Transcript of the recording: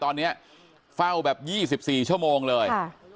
ตอนนี้เฝ้าแบบยี่สิบสี่ชั่วโมงเลย